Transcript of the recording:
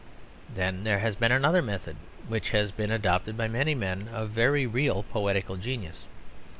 Then there has been another method which has been adopted by many men of a very real poetical genius.